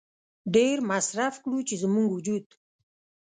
ډېر مصرف کړو چې زموږ وجود